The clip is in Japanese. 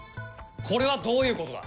これはどういう事だ！？